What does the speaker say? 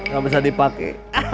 gak bisa dipake